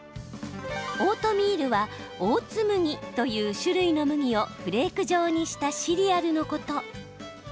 オートミールはオーツ麦という種類の麦をフレーク状にしたシリアルのこと。